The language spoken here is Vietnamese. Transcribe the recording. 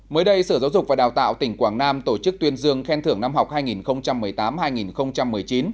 mới đây sở giáo dục và đào tạo tỉnh quảng nam tổ chức tuyên dương khen thưởng năm học hai nghìn một mươi tám hai nghìn một mươi chín